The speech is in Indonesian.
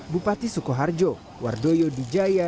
bupati sukoharjo wardoyo wijaya chairman ct arsa foundation jawa tengah